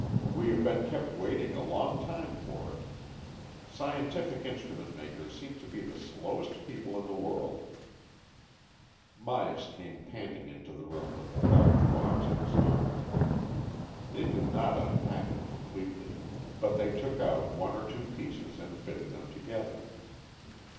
"We have been kept waiting a long time for it. Scientific instrument makers seem to be the slowest people in the world." AN EXCHANGE OF SOULS 81 Myas came panting into the room with a large box in his arms. They did not unpack it completely, but they took out one or two pieces and fitted them together.